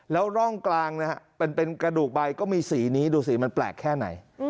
แล้วร่องกลางนะฮะเป็นกระดูกใบก็มีสีนี้ดูสิมันแปลกแค่ไหน